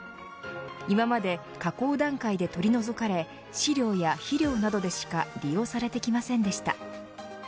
今まで、加工段階で取り除かれ飼料や肥料などでしか利用されてきませんでした。